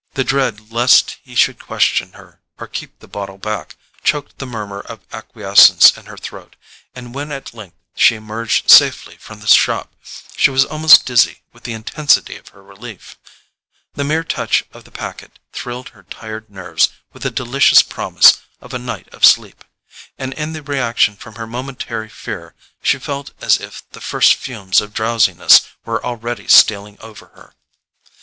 The dread lest he should question her, or keep the bottle back, choked the murmur of acquiescence in her throat; and when at length she emerged safely from the shop she was almost dizzy with the intensity of her relief. The mere touch of the packet thrilled her tired nerves with the delicious promise of a night of sleep, and in the reaction from her momentary fear she felt as if the first fumes of drowsiness were already stealing over her.